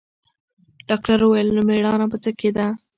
ډاکتر وويل نو مېړانه په څه کښې ده.